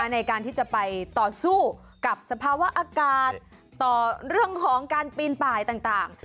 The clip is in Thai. ในการที่จะไปต่อสู้กับสภาวะอากาศต่อเรื่องของการปีนป่ายต่าง